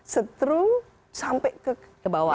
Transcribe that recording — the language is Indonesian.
setru sampai ke bawah